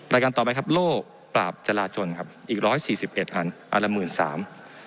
รายการต่อไปครับโลกปราบจราจนครับอีกร้อยสี่สิบเอ็ดอันอันละหมื่นสาม